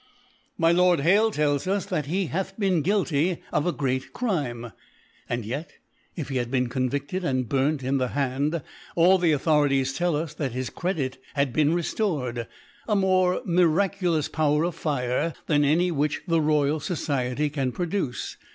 — My Lord Hale tells us, that he hath been guilty of a great Crime : and yet if he had been con * Tifted and burnt in the Hand, all the Au thorities tell us, that his Credit had been re ft ored ; a more miraculous Power of Fire than any which the Rcyal Society can pro duce.